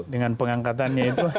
dengan pengangkatannya itu